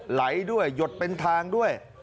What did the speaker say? ไหลด้วยหยดเป็นทางด้วย